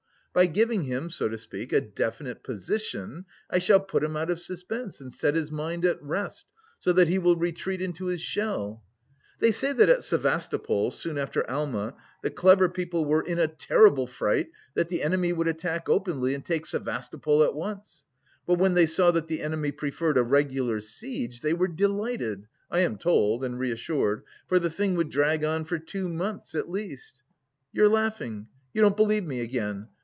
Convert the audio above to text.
By giving him, so to speak, a definite position, I shall put him out of suspense and set his mind at rest, so that he will retreat into his shell. They say that at Sevastopol, soon after Alma, the clever people were in a terrible fright that the enemy would attack openly and take Sevastopol at once. But when they saw that the enemy preferred a regular siege, they were delighted, I am told and reassured, for the thing would drag on for two months at least. You're laughing, you don't believe me again?